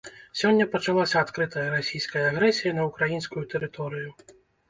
Сёння пачалася адкрытая расійская агрэсія на ўкраінскую тэрыторыю.